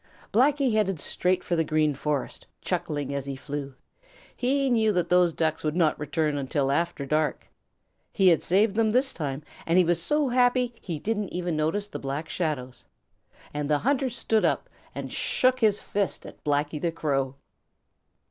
Blacky headed straight for the Green Forest, chuckling as he flew. He knew that those Ducks would not return until after dark. He had saved them this time, and he was so happy he didn't even notice the Black Shadows. And the hunter stood up and shook his fist at Blacky the Crow.